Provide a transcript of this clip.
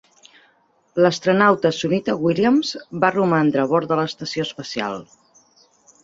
L'astronauta Sunita Williams va romandre a bord de l'estació espacial.